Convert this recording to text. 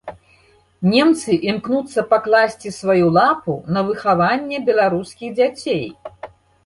Немцы імкнуцца пакласці сваю лапу на выхаванне беларускіх дзяцей.